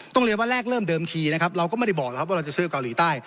ต้องเรียนว่าแรกเริ่มเดิมทีนะครับเราก็ไม่ได้บอกนะครับว่าเราจะซื้อเกาหลีใต้